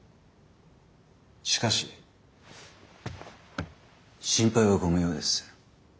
しかし心配はご無用です。